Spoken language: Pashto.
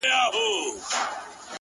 o سیاه پوسي ده. مرگ خو یې زوی دی.